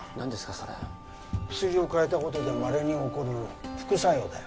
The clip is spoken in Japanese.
それ薬を替えたことでまれに起こる副作用だよ